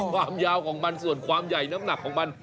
ความยาวของมันส่วนความใหญ่น้ำหนักของมัน